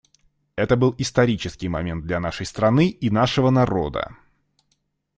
Это был исторический момент для нашей страны и нашего народа.